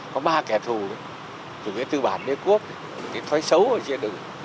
có ba kẻ thù chủ nghĩa tư bản chủ nghĩa quốc cái thói xấu ở trên đường